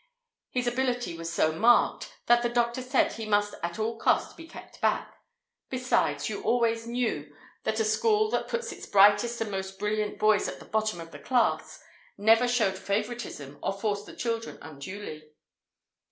His ability was so marked, that the doctor said he must at all costs be kept back. Besides, you always knew that a school that put its brightest and most brilliant boys at the bottom of the class never showed favouritism or forced the children unduly.